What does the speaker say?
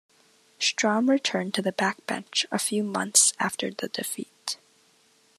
Strom returned to the backbench a few months after the defeat.